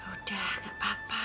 udah gak apa apa